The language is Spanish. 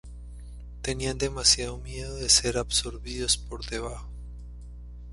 Tenían demasiado miedo de ser absorbidos por debajo.